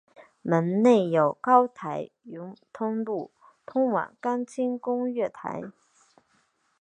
门内有高台甬路通往干清宫月台。